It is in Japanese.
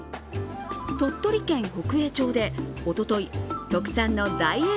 鳥取県北栄町でおととい、直産の大栄